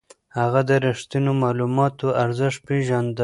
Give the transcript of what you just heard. هغه د رښتينو معلوماتو ارزښت پېژانده.